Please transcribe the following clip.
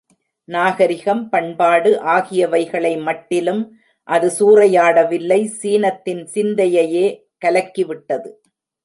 நாகரிகம் பண்பாடு ஆகியவைகளை மட்டிலும் அது சூறையாடவில்லை, சீனத்தின் சிந்தையையே கலக்கிவிட்டது.